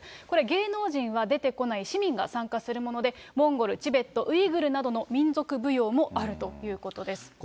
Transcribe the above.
これ芸能人は出てこない、市民が参加するもので、モンゴル、チベット、ウイグルなどの民族舞踊もあるということです。